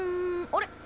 あれ？